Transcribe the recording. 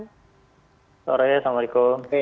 selamat sore assalamualaikum